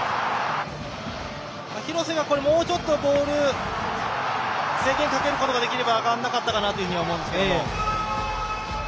広瀬はもうちょっとボール制限かけることができれば上がんなかったかなと思うんですけど。